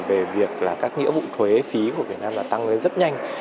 về việc là các nghĩa vụ thuế phí của việt nam đã tăng lên rất nhanh